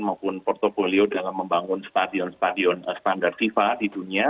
maupun portfolio dalam membangun stadion stadion standar fifa di dunia